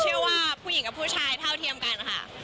ว่าผู้หญิงกับผู้ชายเท่าเทียมกันค่ะ